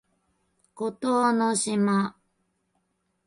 孤島の島